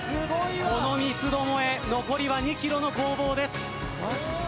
この三つどもえ残りは２ｋｍの攻防です。